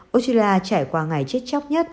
australia trải qua ngày chết chóc nhất